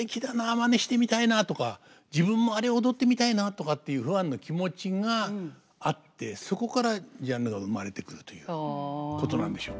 真似してみたいな」とか「自分もあれ踊ってみたいな」とかっていうファンの気持ちがあってそこからジャンルが生まれてくるということなんでしょうね。